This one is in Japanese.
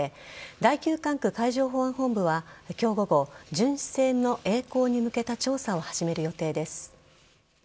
第９管区海上保安本部は今日午後校巡視船のえい航に向けた調査を始める予定です。